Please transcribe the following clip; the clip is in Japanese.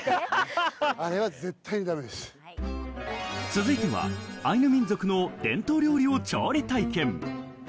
続いてはアイヌ民族の伝統料理を調理体験。